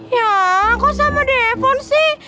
ya kau sama devon sih